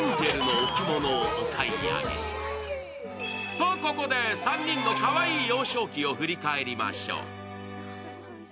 と、ここで３人のかわいい幼少期を振り返りましょう。